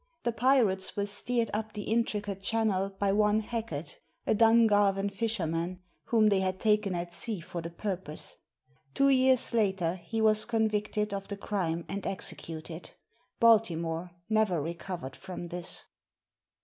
The pirates were steered up the intricate channel by one Hackett, a Dungarvan fisherman, whom they had taken at sea for the purpose. Two years later, he was convicted of the crime and executed. Baltimore never recovered from this.